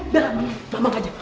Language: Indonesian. da mamang aja